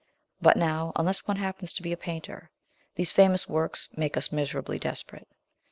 But now, unless one happens to be a painter, these famous works make us miserably desperate.